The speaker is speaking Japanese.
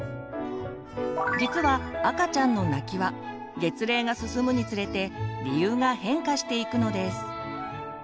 実は赤ちゃんの泣きは月齢が進むにつれて理由が変化していくのです。